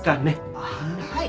あっはい。